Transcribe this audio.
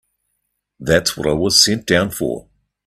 That's what I was sent down for.